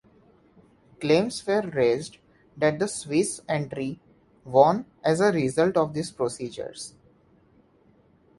Claims were raised that the Swiss entry won as a result of these procedures.